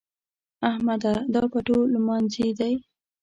احمده! دا پټو لمانځي دی؟